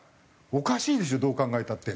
おかしいでしょどう考えたって。